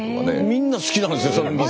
みんな好きなんですね。